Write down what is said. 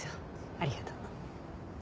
ありがとう。